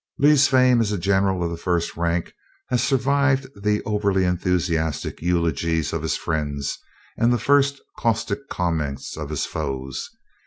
Lee's fame as a general of the first rank has survived the over enthusiastic eulogies of his friends and the first caustic comments of his foes.